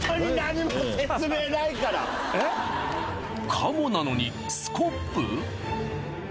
鴨なのにスコップ？